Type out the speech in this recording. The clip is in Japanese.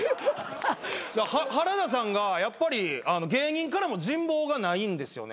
原田さんがやっぱり芸人からも人望がないんですよね。